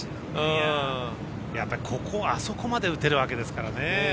やっぱりここをあそこまで打てるわけですからね。